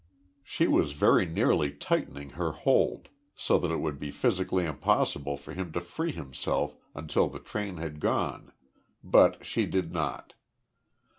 She was very nearly tightening her hold, so that it would be physically impossible for him to free himself until the train had gone, but she did not.